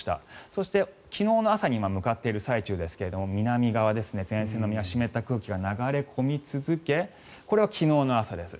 そして昨日の朝に今、向かっている最中ですが南側、前線が湿った空気が流れ込み続けこれが昨日の朝です。